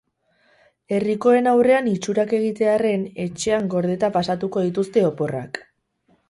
Herrikoen aurrean itxurak egitearren, etxean gordeta pasatuko dituzte oporrak.